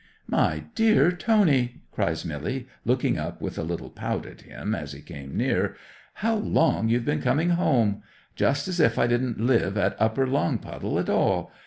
'"My dear Tony!" cries Milly, looking up with a little pout at him as he came near. "How long you've been coming home! Just as if I didn't live at Upper Longpuddle at all!